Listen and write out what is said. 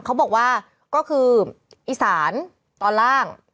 เขาบอกว่าก็คืออีสานตอนล่าง